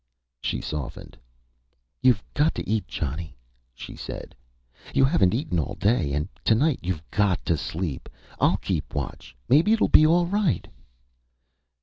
She softened. "You've got to eat, Johnny," she said. "You haven't eaten all day. And tonight you've got to sleep. I'll keep watch. Maybe it'll be all right...."